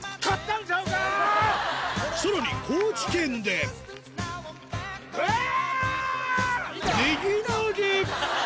さらに高知県でうわぁ！